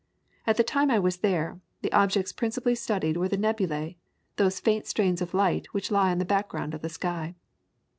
At the time I was there, the objects principally studied were the nebulae, those faint stains of light which lie on the background of the sky.